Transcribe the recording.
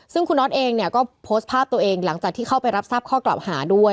ซึ่งคุณน็อตเองเนี่ยก็โพสต์ภาพตัวเองหลังจากที่เข้าไปรับทราบข้อกล่าวหาด้วย